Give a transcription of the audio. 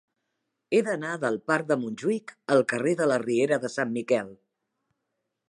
He d'anar del parc de Montjuïc al carrer de la Riera de Sant Miquel.